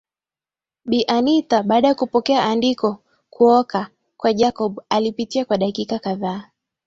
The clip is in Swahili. Bi Anita baada ya kupokea andiko kuoka kwa Jacob alipitia kwa dakika kadhaa